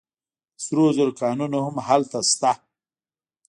د سرو زرو کانونه هم هلته شته.